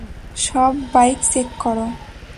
সব bike check করো।